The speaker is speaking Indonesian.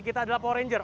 kita adalah power ranger